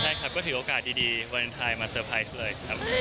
ใช่ครับก็ถือโอกาสดีวาเลนไทยมาเตอร์ไพรส์เลยครับ